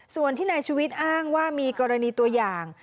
ส่วนที่นายชุวิตอ้างว่ามีกรณีตัวอย่าง